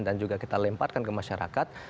dan juga kita lempatkan ke masyarakat